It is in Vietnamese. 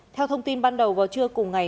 theo thông tin ban đầu vào trưa cùng ngày